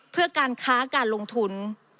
เพื่อการค้าการลงทุน